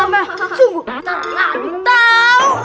aku bukan tok tok tok